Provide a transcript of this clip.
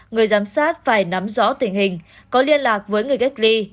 người giám sát phải nắm rõ tình hình có liên lạc với người cách ly